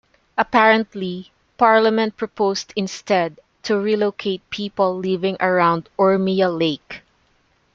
Apparently, parliament proposed instead to relocate people living around Urmia Lake.